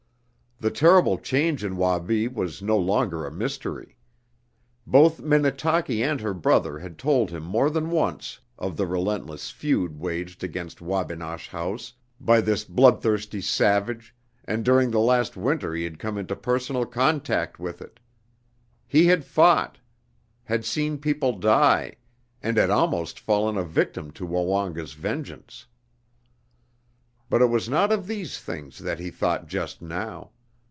The terrible change in Wabi was no longer a mystery. Both Minnetaki and her brother had told him more than once of the relentless feud waged against Wabinosh House by this bloodthirsty savage and during the last winter he had come into personal contact with it. He had fought, had seen people die, and had almost fallen a victim to Woonga's vengeance. But it was not of these things that he thought just now.